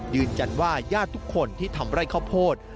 ยืนจันว่าญาติทุกคนที่ทำไร่ข้าวโพด